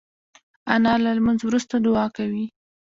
انا له لمونځ وروسته دعا کوي